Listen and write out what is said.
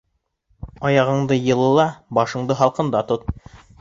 Аяғыңды йылыла, башыңды һалҡында тот.